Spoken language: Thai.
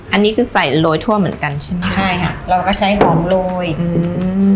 อันนี้คือใส่โรยทั่วเหมือนกันใช่ไหมใช่ค่ะเราก็ใช้หอมโรยอืม